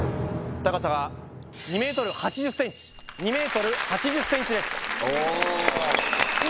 高さは２ｍ８０ｃｍ２ｍ８０ｃｍです